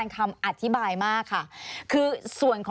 มีความรู้สึกว่ามีความรู้สึกว่า